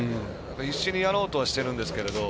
必死にやろうとはしてるんですけど。